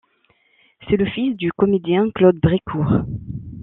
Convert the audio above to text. C'est le fils du comédien Claude Brécourt.